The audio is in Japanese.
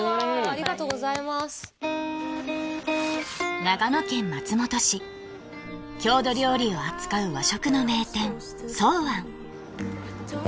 ありがとうございます長野県松本市郷土料理を扱う和食の名店草菴松